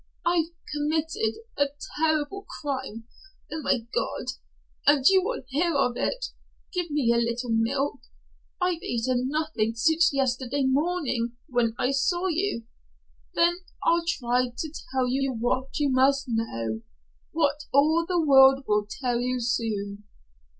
I've committed a terrible crime Oh, my God! And you will hear of it Give me a little milk. I've eaten nothing since yesterday morning, when I saw you. Then I'll try to tell you what you must know what all the world will tell you soon."